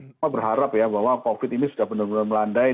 semua berharap ya bahwa covid ini sudah benar benar melandai